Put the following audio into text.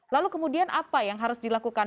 lalu kemudian apa yang harus dilakukan